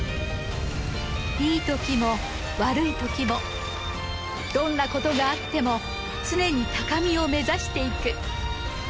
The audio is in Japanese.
いいときも悪いときもどんなことがあっても常に高みを目指していく。